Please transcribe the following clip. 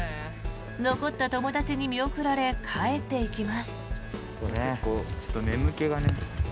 残った友達に見送られ帰っていきます。